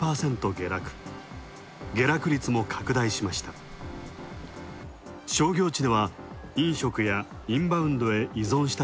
下落率も拡大しました。